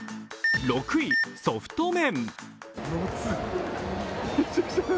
６位、ソフト麺。